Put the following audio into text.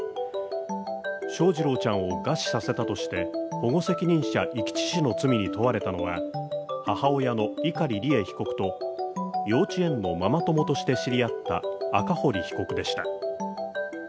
翔士郎ちゃんを餓死させたとして保護責任者遺棄致死の罪に問われたのは母親の碇利恵被告と、幼稚園のママ友として知り合った赤堀被告でした。